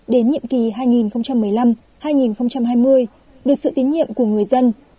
đến nhiệm kỳ hai nghìn một mươi năm hai nghìn hai mươi được sự tín nhiệm của người dân